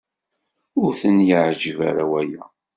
Ur ten-iɛejjeb ara waya.